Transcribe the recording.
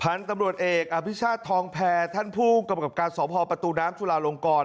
ผ่านตำรวจเอกอภิชาธรทองแพทย์ท่านภูกรรมกรรมการสอบพอประตูน้ำจุลาลงกร